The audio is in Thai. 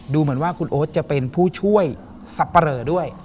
ดูเหมือนว่าคุณโอ๊ตจะเป็นผู้ช่วยสับปะเรอด้วย